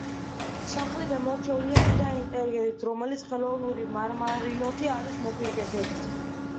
სახლი გამორჩეულია შიდა ინტერიერით, რომელიც ხელოვნური მარმარილოთი არის მოპირკეთებული.